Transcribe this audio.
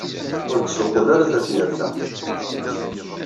Ur d-ssuqqul ara tafyirt-a.